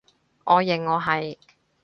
我認我係